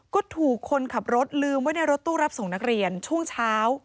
ก็ถูกคนขับรถลืมไว้ในรถตู้รับส่งนักเรียนช่วงเช้า